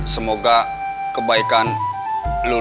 semoga kebaikan lo berdua